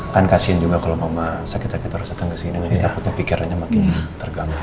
kan kasian juga kalau mama sakit sakit harus datang ke sini takutnya pikirannya makin terganggu